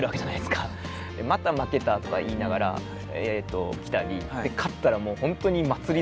でまた負けたとか言いながら来たり勝ったらもう本当に祭り